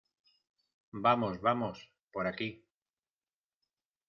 Vamos, vamos. Por aquí .